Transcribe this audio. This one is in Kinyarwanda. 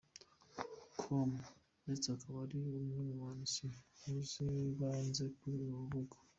com ndetse akaba ari n’umwe mu banditse inkuru zibanza kuri uru rubuga.